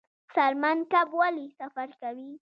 سالمن کب ولې سفر کوي؟